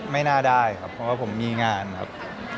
ไม่น่าได้ครับเพราะว่าผมมีงานครับ